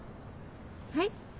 はい？